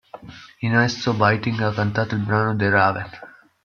In esso Whiting ha cantato il brano "The Raven".